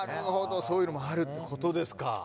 そういうのもあるということですか。